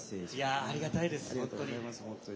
ありがたいです、本当に。